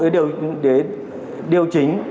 để điều chỉnh